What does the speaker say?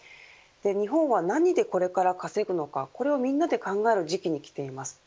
日本は何でここから稼ぐのかこれをみんなで考える時期にきています。